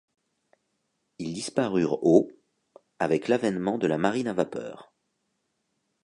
Ils disparurent au avec l’avènement de la marine à vapeur.